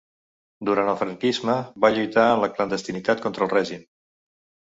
Durant el franquisme va lluitar en la clandestinitat contra el règim.